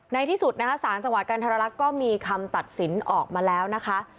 ที่สุดนะคะสารจังหวัดกันทรลักษณ์ก็มีคำตัดสินออกมาแล้วนะคะ